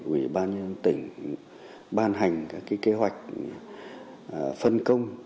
ủy ban nhân tỉnh ban hành các kế hoạch phân công